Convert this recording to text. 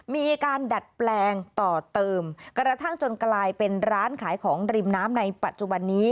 มีการดัดแปลงต่อเติมกระทั่งจนกลายเป็นร้านขายของริมน้ำในปัจจุบันนี้